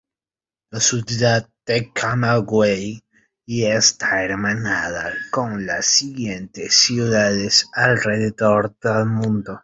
La ciudad de Camagüey está hermanada con las siguientes ciudades alrededor del mundo.